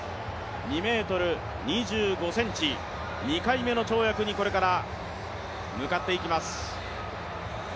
２ｍ２５ｃｍ、２回目の跳躍にこれから向かっていきます。